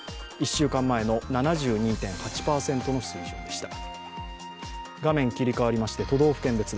１週間前の７２．８％の水準でした。